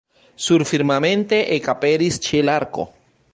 Surfirmamente ekaperis ĉielarko.